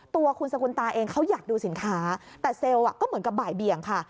ตัวคุณสกุลตาเองเขาอยากดูสินค้าแต่เซลล์ก็เหมือนกับบ่ายเบี่ยงค่ะ